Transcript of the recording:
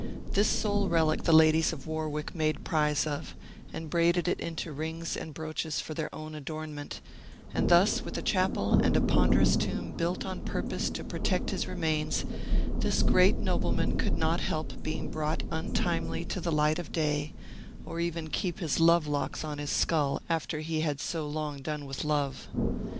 This sole relic the ladies of Warwick made prize of, and braided it into rings and brooches for their own adornment; and thus, with a chapel and a ponderous tomb built on purpose to protect his remains, this great nobleman could not help being brought untimely to the light of day, nor even keep his lovelocks on his skull after he had so long done with love.